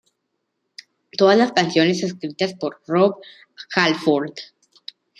Todas las canciones escritas por Rob Halford.